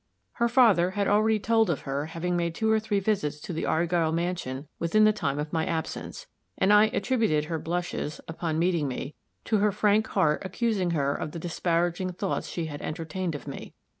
Her father had already told of her having made two or three visits to the Argyll mansion within the time of my absence; and I attributed her blushes, upon meeting me, to her frank heart accusing her of the disparaging thoughts she had entertained of me.